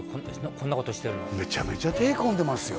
こんなことしてるのめちゃめちゃ手込んでますよ